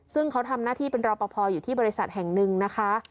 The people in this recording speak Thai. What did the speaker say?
ซึ่งเขาทำหน้าที่เป็นรอปภอยู่ที่บริษัทแห่งหนึ่งนะคะ